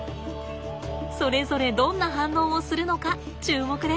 それぞれどんな反応をするのか注目ね。